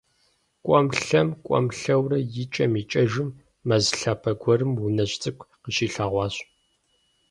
КӀуэм-лъэм, кӀуэм-лъэурэ, икӀэм икӀэжым, мэз лъапэ гуэрым унэжь цӀыкӀу къыщилъэгъуащ.